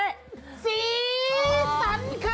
ต้องหาคู่เต้นอยู่ป่ะคะ